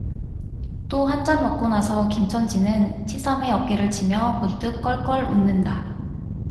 또 한 잔 먹고 나서 김첨지는 치삼의 어깨를 치며 문득 껄껄 웃는다.